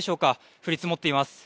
降り積もっています。